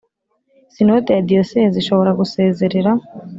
Sinode ya Diyoseze ishobora gusezerera